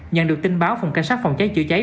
nhận được tin báo phòng cảnh sát phòng cháy chữa cháy